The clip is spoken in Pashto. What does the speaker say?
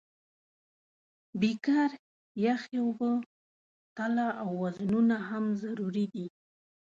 بیکر، یخې اوبه، تله او وزنونه هم ضروري دي.